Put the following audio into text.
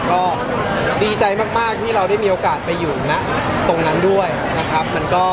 ก็ดีใจมากที่เราได้มีโอกาสไปอยู่ณตรงนั้นด้วยนะครับ